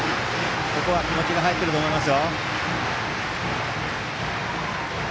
ここは気持ちが入ってると思います。